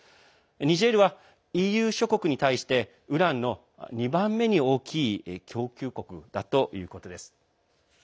ニジェールは、ＥＵ諸国に対してウランの２番目に大きい供給国だということです。